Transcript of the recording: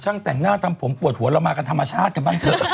แต่งหน้าทำผมปวดหัวเรามากันธรรมชาติกันบ้างเถอะ